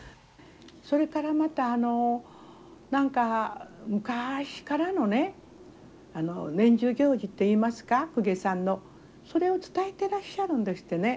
それからまたあの何か昔からのね年中行事っていいますか公家さんのそれを伝えてらっしゃるんですってね。